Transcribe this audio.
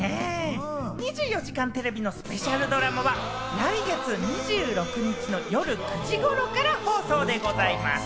『２４時間テレビ』のスペシャルドラマは来月２６日の夜９時頃から放送でございます。